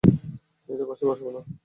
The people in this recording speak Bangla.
মেয়েদের পাশে বসবে না, ওকে?